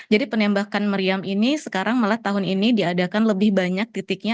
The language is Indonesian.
jadi penembakan meriam ini sekarang malah tahun ini diadakan lebih banyak titiknya